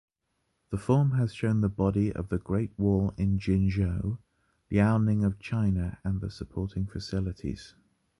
The form has shown the body of the Great Wall in Jinzhou, Liaoning of China and the supporting facilities.